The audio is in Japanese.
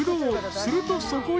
［するとそこに］